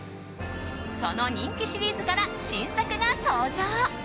その人気シリーズから新作が登場。